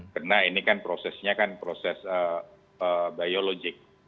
karena ini kan prosesnya kan proses biologik